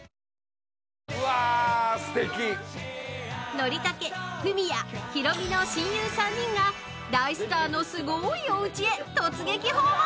憲武、フミヤ、ヒロミの親友３人が大スターのすごいおうちへ突撃訪問